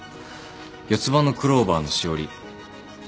四つ葉のクローバーのしおり